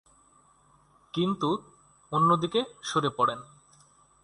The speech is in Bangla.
কিন্তু অন্যদিকে সরে পড়েন।